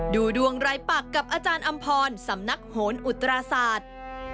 ดูดวงรายปักกับอาจารย์อำพรสำนักโหนอุตราศาสตร์